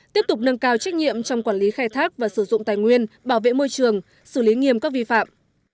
tiếp tục nâng cao trách nhiệm trong quản lý khai thác và sử dụng tài nguyên bảo vệ môi trường xử lý nghiêm các vi phạm